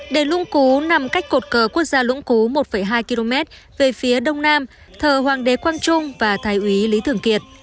đền lung cú nằm cách cột cờ quốc gia lũng cú một hai km về phía đông nam thờ hoàng đế quang trung và thái úy lý thường kiệt